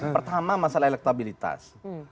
pertama masalah elektabilitas